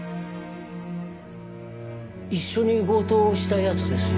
一緒に強盗した奴ですよ。